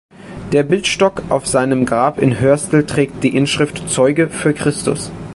Der Bildstock auf seinem Grab in Hörstel trägt die Inschrift „Zeuge für Christus“.